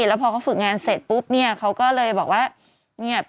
แล้วพอเขาฝึกงานเสร็จปุ๊บเนี่ยเขาก็เลยบอกว่าเงียบ